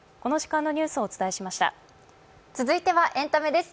続いてはエンタメです。